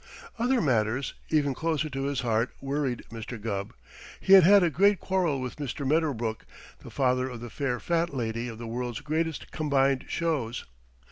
Other matters, even closer to his heart, worried Mr. Gubb. He had had a great quarrel with Mr. Medderbrook, the father of the fair Fat Lady of the World's Greatest Combined Shows.